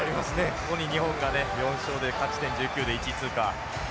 ここに日本がね４勝で勝ち点１９で１位通過。